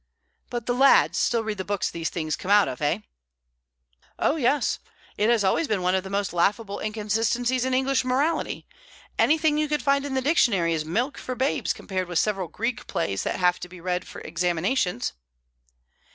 "But the lads still read the books these things come out of, eh?" "Oh yes. It has always been one of the most laughable inconsistencies in English morality. Anything you could find in the dictionary is milk for babes compared with several Greek plays that have to be read for examinations."